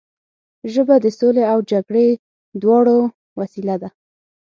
ژبه د سولې او جګړې دواړو وسیله ده